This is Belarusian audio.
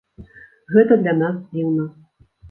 Гэта для нас дзіўна.